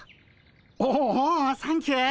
おおおサンキュー。